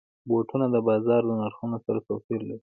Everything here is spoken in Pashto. بوټونه د بازار د نرخونو سره توپیر لري.